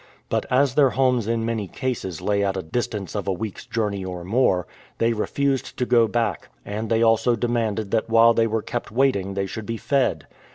But as their homes in many cases lay at a distance of a week's journey or more, they refused to go back, and they also demanded that while they were kept waiting they should be fed.